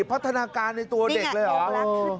พัฒนาการในตัวเด็กเลยเหรอ